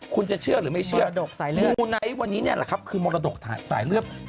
คุณจะเชื่อหรือไม่เชื่อมรดกมูไนท์วันนี้นี่แหละครับคือมรดกสายเลือด